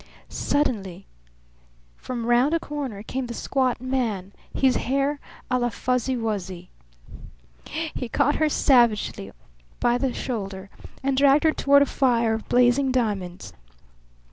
Suddenly from round a corner came the squat man, his hair a la Fuzzy Wuzzy. He caught her savagely by the shoulder and dragged her toward a fire of blazing diamonds.